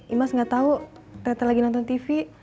imaz gak tau teteh lagi nonton tv